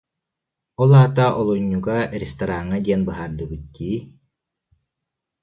Ол аата олунньуга, рестораҥҥа диэн быһаардыбыт дии